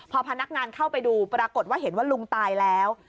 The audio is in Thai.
พอพนักงานเข้าไปดูปรากฏว่าเห็นว่าลุงตายแล้ว